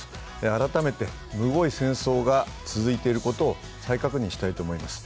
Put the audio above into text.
改めてむごい戦争が続いていることを再確認したいと思います。